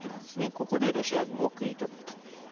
ここでロシア軍を食い止めると。